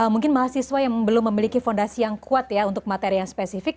mungkin mahasiswa yang belum memiliki fondasi yang kuat ya untuk materi yang spesifik